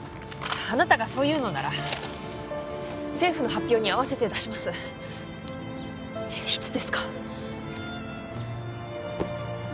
あなたがそう言うのなら政府の発表に合わせて出しますいつですか？